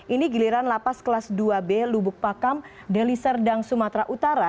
ini giliran lapas kelas dua b lubuk pakam deliserdang sumatera utara